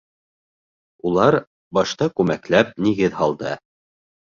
Улар башта күмәкләп нигеҙ һалды.